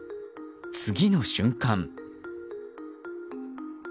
次の瞬間。